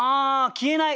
「消えない」！